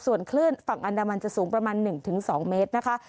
ส่วนคลื่นฝั่งอันดามันจะสูงประมาณ๑๒เมตรนะคะ